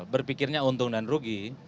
berpikirnya untung dan rugi